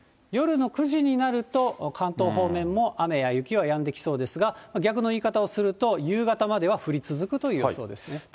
夜の９時になると、関東方面も雨や雪はやんできそうですが、逆の言い方をすると、夕方までは降り続くという予想ですね。